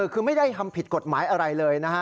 คือไม่ได้ทำผิดกฎหมายอะไรเลยนะฮะ